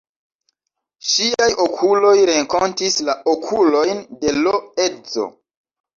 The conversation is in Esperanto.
Ŝiaj okuloj renkontis la okulojn de l' edzo.